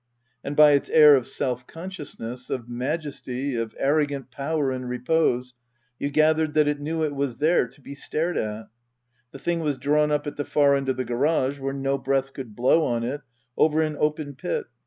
And by its air of self consciousness, of majesty, of arrogant power in repose, you gathered that it knew it was there to be stared at. The thing was drawn up at the far end of the garage, where no breath could blow on it, over an open pit.